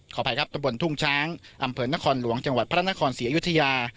ขออภัยครับตำบลทุ่งช้างอำเภอนครหลวงจังหวัดพระนครศรีอยุธยา